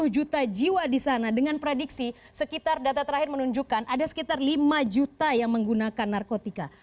dua puluh juta jiwa di sana dengan prediksi sekitar data terakhir menunjukkan ada sekitar lima juta yang menggunakan narkotika